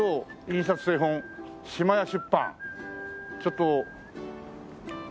「印刷・製本しまや出版」ちょっと。